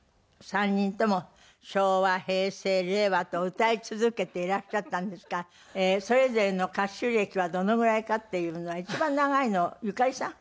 ３人とも昭和平成令和と歌い続けていらっしゃったんですからそれぞれの歌手歴はどのぐらいかっていうのは一番長いのゆかりさん？